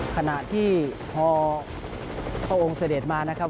ขณะที่พอพระองค์เสด็จมานะครับ